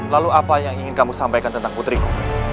lalu apa yang ingin kamu sampaikan tentang putriku